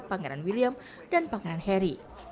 pangeran william dan pangeran harry